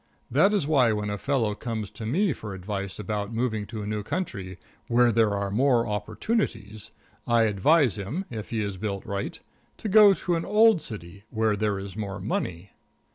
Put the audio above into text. That is why when a fellow comes to me for advice about moving to a new country, where there are more opportunities, I advise him if he is built right to go to an old city where there is more money.